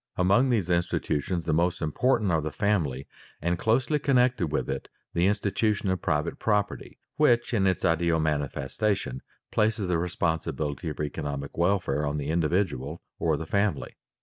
_ Among these institutions the most important are the family and, closely connected with it, the institution of private property which, in its ideal manifestation, places the responsibility for economic welfare on the individual or the family.